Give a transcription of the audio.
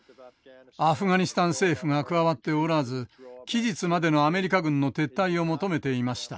アフガニスタン政府が加わっておらず期日までのアメリカ軍の撤退を求めていました。